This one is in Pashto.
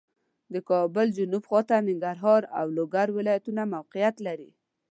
د کابل جنوب خواته ننګرهار او لوګر ولایتونه موقعیت لري